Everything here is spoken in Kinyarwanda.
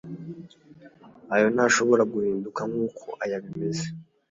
ayo ntashobora guhinduka nk'uko aya bimeze